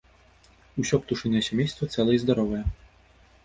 Усё птушынае сямейства цэлае і здаровае.